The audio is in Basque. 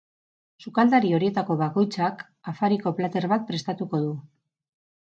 Sukaldari horietako bakoitzak afariko plater bat prestatuko du.